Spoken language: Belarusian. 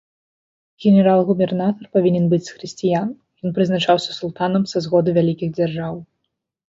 Генерал-губернатар павінен быць з хрысціян, ён прызначаўся султанам са згоды вялікіх дзяржаў.